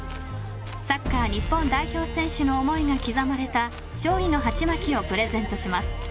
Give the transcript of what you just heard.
サッカー日本代表選手の思いが刻まれた勝利のハチマキをプレゼントします。